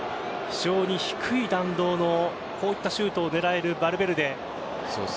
非常に低い弾道のこういったシュートを狙えるヴァルヴェルデ。